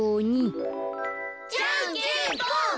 じゃんけんぽん！